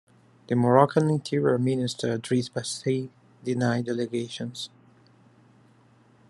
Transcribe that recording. The Moroccan Interior Minister Driss Basri denied the allegations.